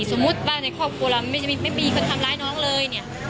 สมมุติว่าในครอบครัวเราไม่มีคนทำร้ายน้องเลยเนี่ย